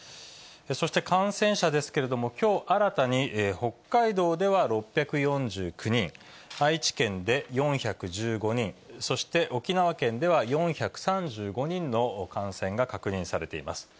そして感染者ですけれども、きょう新たに北海道では６４９人、愛知県で４１５人、そして沖縄県では４３５人の感染が確認されています。